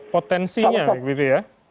potensinya begitu ya